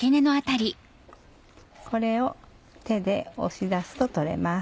これを手で押し出すと取れます。